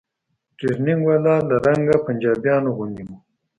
ټرېننگ والا له رنګه پنجابيانو غوندې و.